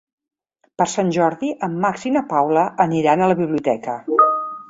Per Sant Jordi en Max i na Paula aniran a la biblioteca.